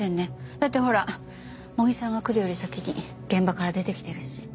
だってほら茂木さんが来るより先に現場から出てきてるし。